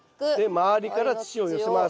周りから土を寄せます。